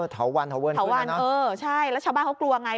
เถาวันเถาเวินขึ้นแล้วเนอะใช่แล้วชาวบ้านเขากลัวไง